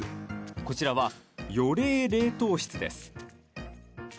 こちらは予冷冷凍室です。